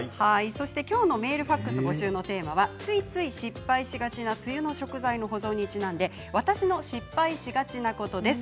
きょうのメールファックス募集のテーマはついつい失敗しがちな梅雨の食材の保存にちなんで私の失敗しがちなことです。